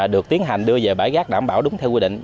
được tiến hành đưa về bãi rác đảm bảo đúng theo quy định